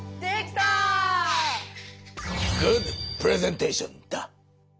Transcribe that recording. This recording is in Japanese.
グッドプレゼンテーションだ！